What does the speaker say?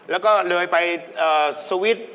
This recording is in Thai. แล้วก็เลยไปเอ่อสวิต